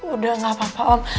udah gak apa apa om